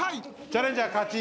チャレンジャー勝ち。